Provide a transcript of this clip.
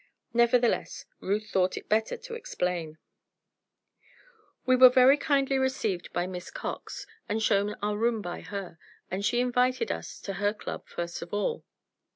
Nevertheless, Ruth thought it better to explain: "We were very kindly received by Miss Cox, and shown our room by her, and she invited us to her club first of all."